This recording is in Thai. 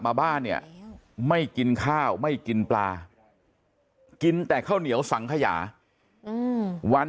มาบ้านเนี่ยไม่กินข้าวไม่กินปลากินแต่ข้าวเหนียวสังขยาวัน